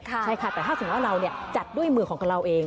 ใช่ค่ะแต่ถ้าสมมุติว่าเราจัดด้วยมือของกับเราเอง